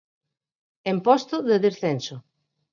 En posto de descenso.